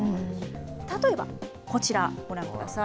例えばこちらご覧ください。